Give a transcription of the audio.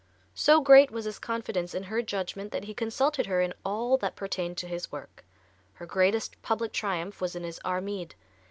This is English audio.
So great was his confidence in her judgment that he consulted her in all that pertained to his work. Her greatest public triumph was in his "Armide."